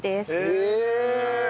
へえ！